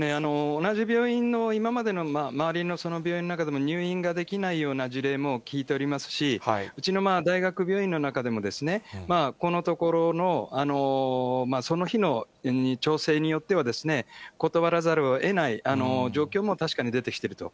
同じ病院の今までの周りの病院の中でも、入院ができないような事例も聞いておりますし、うちの大学病院の中でも、このところのその日の調整によっては、断らざるをえない状況も確かに出てきていると。